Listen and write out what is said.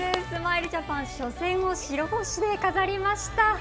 スマイルジャパン初戦を白星で飾りました。